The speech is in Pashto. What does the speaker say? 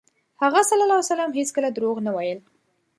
هغه ﷺ هېڅکله دروغ ونه ویل.